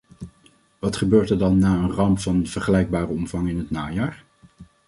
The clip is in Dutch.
Wat gebeurt er dan na een ramp van vergelijkbare omvang in het najaar?